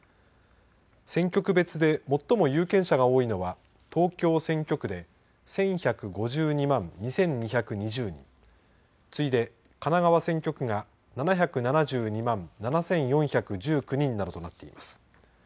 選挙区別で最も有権者が多いのは東京選挙区で１１５２万２２２０人、次いで神奈川選挙区が７７２万７４１９人などとなっています。